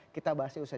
kita bahas itu saja